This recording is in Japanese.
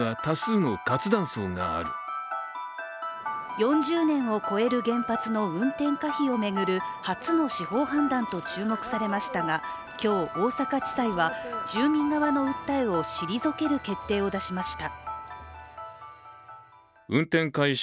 ４０年を超える原発の運転可否を巡る初の司法判断と注目されましたが今日、大阪地裁は住民側の訴えを退ける決定を出しました。